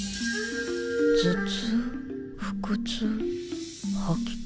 頭痛腹痛吐き気。